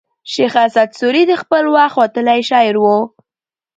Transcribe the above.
شېخ اسعد سوري د خپل وخت وتلى شاعر وو.